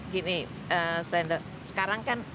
gini sekarang kan